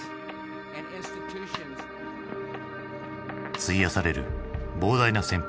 費やされる膨大な戦費。